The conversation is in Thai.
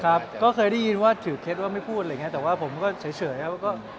ครับก็เคยได้ยินว่าถือเคล็ดว่าไม่พูดอะไรอย่างเงี้แต่ว่าผมก็เฉยครับ